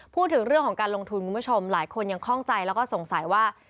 พูดถึงเรื่องของการลงทุนคุณผู้ชมหลายคนยังคล่องใจแล้วก็สงสัยว่า